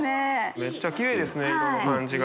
めっちゃきれいですね色の感じが。